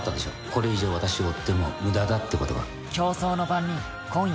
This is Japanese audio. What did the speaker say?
これ以上私を追っても無駄だということが。